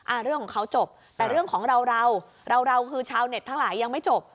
เรื่องของเขาจบแต่เรื่องของเราเราเราคือชาวเน็ตทั้งหลายยังไม่จบ